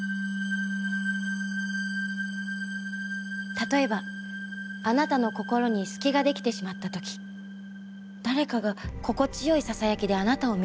例えばあなたの心に隙ができてしまった時誰かが心地よいささやきであなたを導いたら。